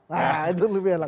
nah itu lebih enak